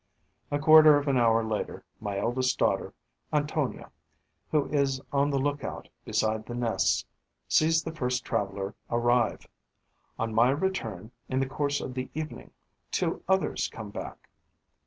A quarter of an hour later, my eldest daughter, Antonia, who is on the look out beside the nests, sees the first traveller arrive. On my return, in the course of the evening, two others come back.